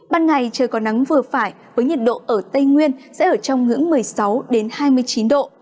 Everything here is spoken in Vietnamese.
ban ngày trời có nắng vừa phải với nhiệt độ ở tây nguyên sẽ ở trong ngưỡng một mươi sáu hai mươi chín độ